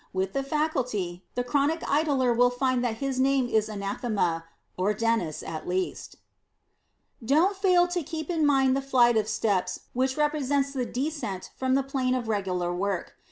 With the Faculty, the chronic idler will find that his name is anathema, or Dennis at least. [Sidenote: THE DESCENT TO AVERNUS] Don't fail to keep in mind the flight of steps which represents the descent from the plane of regular work.